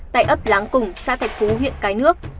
tại ấp láng cùng xã thạch phú huyện cái nước